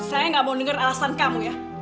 saya gak mau denger alasan kamu ya